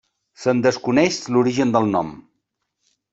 Se'n desconeix l'origen del nom.